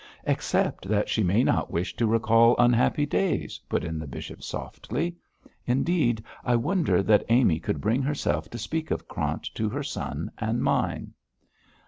'Except that she may not wish to recall unhappy days,' put in the bishop, softly. 'Indeed, I wonder that Amy could bring herself to speak of Krant to her son and mine.'